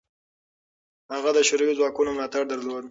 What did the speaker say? هغه د شوروي ځواکونو ملاتړ درلود.